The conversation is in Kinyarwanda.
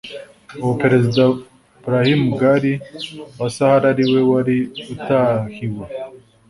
ubwo Perezida Brahim Ghali wa Sahara ari we wari utahiwe